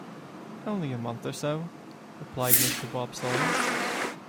‘Only a month or so,’ replied Mr. Bob Sawyer.